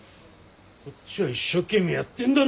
こっちは一生懸命やってんだろうが。